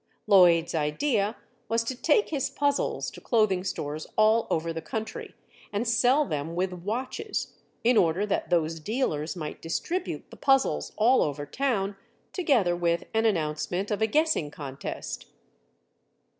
Lloyd's idea was to take his puzzles to clothing stores all over the country and sell them with watches, in order that those dealers might distribute the puzzles all over town, together with an announcement of a guessing contest.